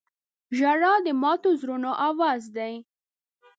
• ژړا د ماتو زړونو اواز دی.